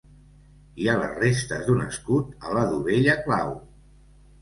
Hi ha les restes d'un escut a la dovella clau.